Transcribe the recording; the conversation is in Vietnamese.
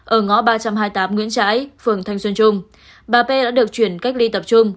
ở ngõ ba trăm hai mươi tám nguyễn trãi phường thanh xuân trung bà p đã được chuyển cách ly tập trung